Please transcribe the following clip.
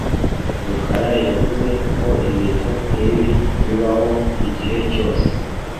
Rukara yavuze ko ibintu nkibi bibaho igihe cyose.